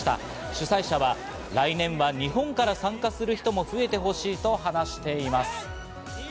主催者は来年は日本から参加する人も増えてほしいと話しています。